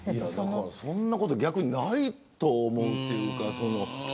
そんなこと逆にないと思うというか。